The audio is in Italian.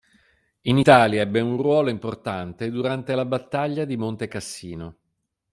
In Italia ebbe un ruolo importante durante la Battaglia di Monte Cassino.